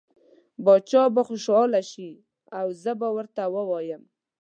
باچا به خوشحاله شي او زه به ورته ووایم.